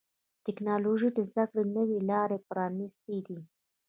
ټکنالوجي د زدهکړې نوي لارې پرانستې دي.